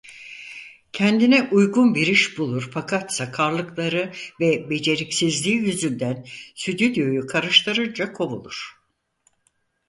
Kendine uygun bir iş bulur fakat sakarlıkları ve beceriksizliği yüzünden stüdyoyu karıştırınca kovulur.